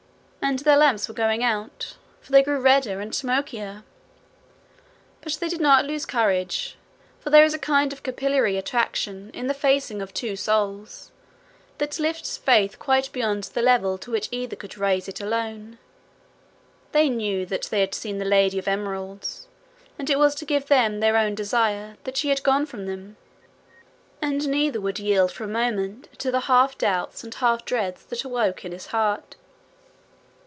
And their lamps were going out, for they grew redder and smokier! But they did not lose courage, for there is a kind of capillary attraction in the facing of two souls, that lifts faith quite beyond the level to which either could raise it alone: they knew that they had seen the lady of emeralds, and it was to give them their own desire that she had gone from them, and neither would yield for a moment to the half doubts and half dreads that awoke in his heart.